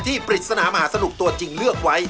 ปริศนามหาสนุกตัวจริงเลือกไว้